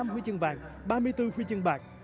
một mươi năm huy chương vàng ba mươi bốn huy chương bạc